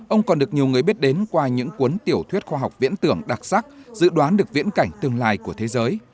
ông còn được nhiều người biết đến qua những cuốn tiểu thuyết khoa học viễn tưởng đặc sắc dự đoán được viễn cảnh tương lai của thế giới